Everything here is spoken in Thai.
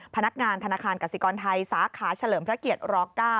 พนักงานธนาคารกสิกรไทยสาขาเฉลิมพระเกียรติร๙